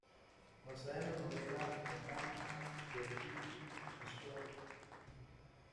Basada en la novela homónima de Irwin Shaw.